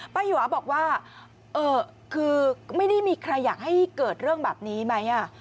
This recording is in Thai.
หยวาบอกว่าเออคือไม่ได้มีใครอยากให้เกิดเรื่องแบบนี้ไหม